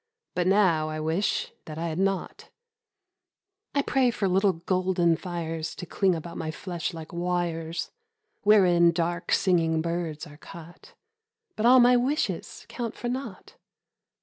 ...' But now I wish that I had not ! I pray for little golden fires To cling about my flesh like wires Wherein dark singing birds are caught ; But all my wishes count for naught.